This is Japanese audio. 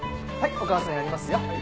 お母さんやりますよ。